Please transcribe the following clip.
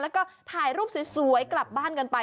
แล้วก็ถ่ายรูปสวยกลับบ้านกันไป